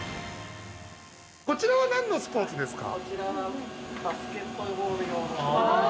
こちらは何のスポーツですか？